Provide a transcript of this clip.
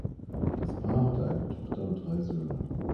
Das Paar hatte eine Tochter und drei Söhne.